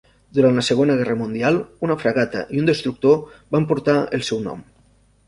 Durant la Segona Guerra Mundial una fragata i un destructor van portar el seu nom.